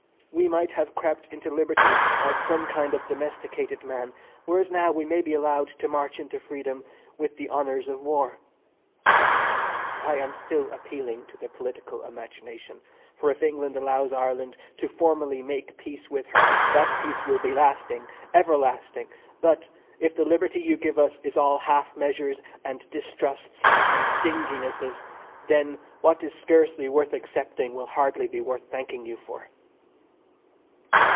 We might have crept into liberty like some kind of domesticated man, whereas now we may be allowed to march into freedom with the honours of war. I am still appealing to the political imagination, for if England allows Ireland to formally make peace with her that peace will be lasting, everlasting; but if the liberty you give us is all half measures, and distrusts and stinginesses, then what is scarcely worth accepting will hardly be worth thanking you for.